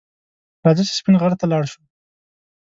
راځه چې سپین غر ته لاړ شو